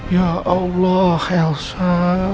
ya allah elsa